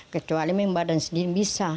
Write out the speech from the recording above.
kecuali main barang sendiri bisa